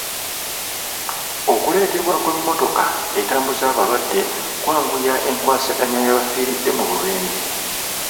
Okuleetebwa kw'emmotoka etambuza abalwadde kwanguya enkwasaganya y'abafiiridde mu bubenje.